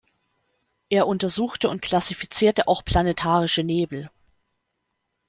Er untersuchte und klassifizierte auch Planetarische Nebel.